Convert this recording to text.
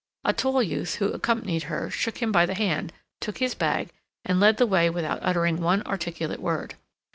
A tall youth who accompanied her shook him by the hand, took his bag, and led the way without uttering one articulate word.